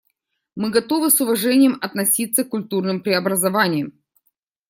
Мы готовы с уважением относиться к культурным преобразованиям.